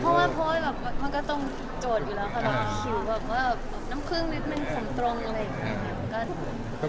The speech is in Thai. มันก็ต้องโจทย์อยู่แล้วครับ